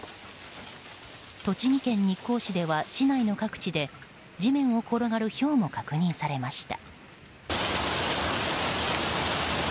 栃木県日光市では市内の各地で地面を転がるひょうも確認されました。